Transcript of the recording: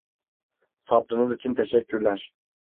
Sabrınız için teşekkürler.